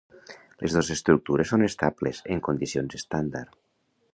Les dos estructures són estables en condicions estàndard.